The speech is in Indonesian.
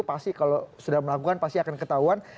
pasti kalau sudah melakukan pasti akan ketahuan